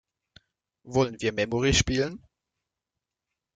Wollen wir Memory spielen?